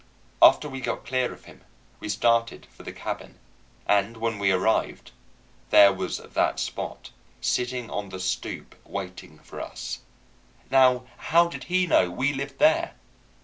After we got clear of him, we started for the cabin, and when we arrived, there was that Spot sitting on the stoop waiting for us. Now how did he know we lived there?